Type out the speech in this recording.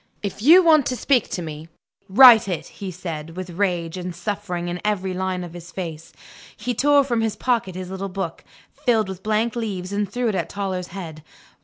"If you want to speak to me, write it!" he said, with rage and suffering in every line of his face. He tore from his pocket his little book, filled with blank leaves, and threw it at Toller's head.